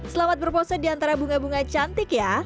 selamat berpose di antara bunga bunga cantik ya